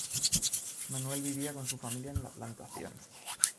Manuel vivía con su familia en la plantación.